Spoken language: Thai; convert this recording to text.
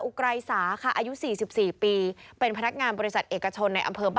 อุไกรสาขาอายุ๔๔ปี